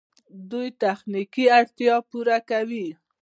دوی تخنیکي اړتیاوې پوره کوي.